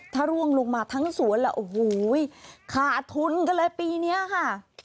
ถ้าร่วงลงมาทั้งสวนแล้วโอ้โหขาดทุนกันเลยปีนี้ค่ะ